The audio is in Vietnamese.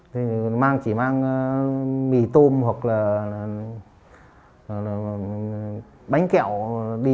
nó chỉ mang mì tôm hoặc là bánh kẹo đi